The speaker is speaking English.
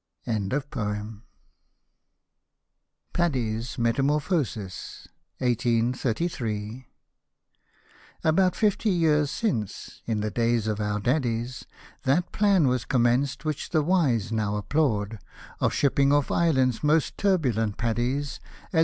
Hosted by Google PADDY S METAMORPHOSIS 223 l^'VDDY'S METAMORPHOSIS 1833. About fifty years since, in the days of our daddies, That plan was commenced which the wise now applaud, Of shipping off Ireland's most turbulent Paddies, As